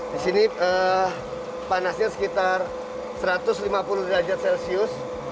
di sini panasnya sekitar satu ratus lima puluh derajat celcius